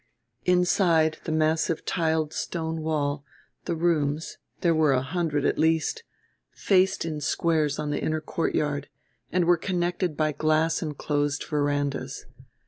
Inside the massive tiled stone wall the rooms there were a hundred at least faced in squares on the inner courtyard, and were connected by glass enclosed verandas.